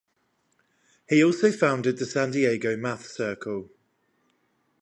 He also founded the San Diego Math Circle.